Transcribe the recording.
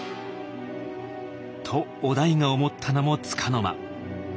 と於大が思ったのもつかの間。